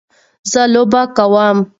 زه لوبه کوم.